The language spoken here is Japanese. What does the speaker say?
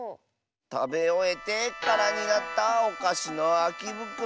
たべおえてからになったおかしのあきぶくろのなまえは。